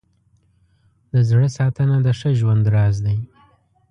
د زړه ساتنه د ښه ژوند راز دی.